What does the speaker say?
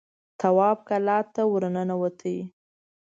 تواب کلا ته ور ننوت.